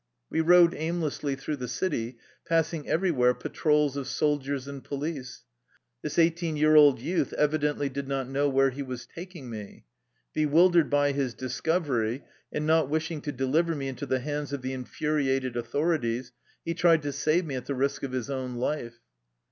We rode aimlessly through the city, passing everywhere patrols of soldiers and police. This eighteen year old youth evidently did not know where he was tak ing me. Bewildered by his discovery, and not wishing to deliver me into the hands of the in furiated authorities, he tried to save me at the risk of his own life.